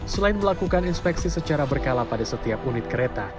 selain melakukan inspeksi secara berkala pada setiap unit kereta